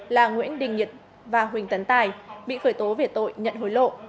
là nguyễn đình nhật và huỳnh tấn tài bị khởi tố về tội nhận hối lộ